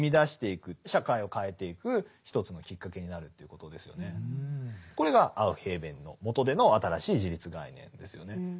これは要するにこれがアウフヘーベンのもとでの新しい自立概念ですよね。